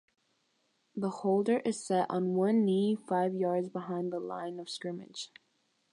The holder is set on one knee five yards behind the line-of-scrimmage.